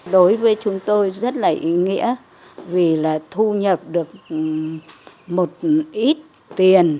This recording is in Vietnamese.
đối với chúng tôi rất là ý nghĩa vì là thu nhập được một ít tiền